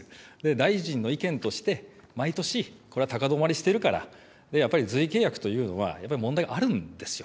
大臣の意見として、毎年これは高止まりしているから、やっぱり随意契約というのは、やっぱり問題があるんですよ。